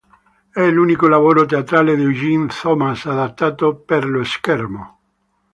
È l'unico lavoro teatrale di Eugene Thomas adattato per lo schermo.